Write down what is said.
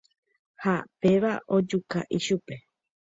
Ha péva ojuka ichupe.